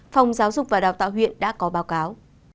phòng giáo dục và đào tạo huyện đã có báo cáo